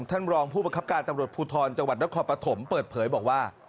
ท่านรองผู้ประคับการตำรวจภูทรจังหวัดนครปฐมเปิดเผยบอกว่า